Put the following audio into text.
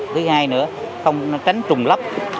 thứ hai nữa không tránh trùng lấp